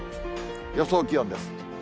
予想気温です。